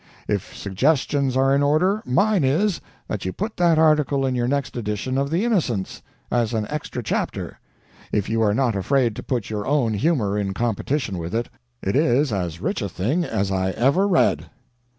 If suggestions are in order, mine is, that you put that article in your next edition of the Innocents, as an extra chapter, if you are not afraid to put your own humor in competition with it. It is as rich a thing as I ever read.